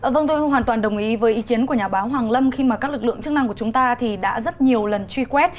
vâng tôi hoàn toàn đồng ý với ý kiến của nhà báo hoàng lâm khi mà các lực lượng chức năng của chúng ta thì đã rất nhiều lần truy quét